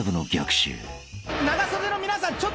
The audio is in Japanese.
長袖の皆さん